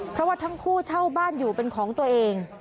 เพราะว่าทั้งคู่เช่าบ้านอยู่เป็นของตัวเอง